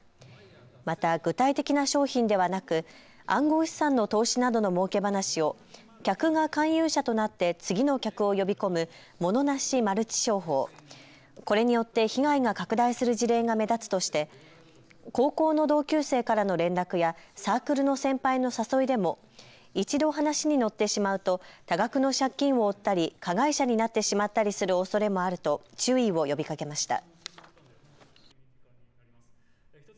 また具体的な商品ではなく暗号資産の投資などのもうけ話を客が勧誘者となって次の客を呼び込むモノなしマルチ商法、これによって被害が拡大する事例が目立つとして高校の同級生からの連絡やサークルの先輩の誘いでも一度、話に乗ってしまうと多額の借金を負ったり加害者になってしまったりするおそれもあると注意を呼びかけました。